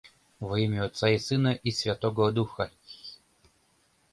Во имя отца и сына, и святого духа...